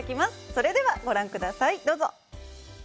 それではご覧ください、どうぞ。